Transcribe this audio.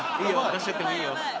出しちゃってもいいよ。